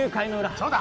そうだ！